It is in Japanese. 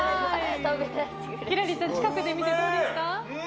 輝星ちゃん、近くで見てどうですか。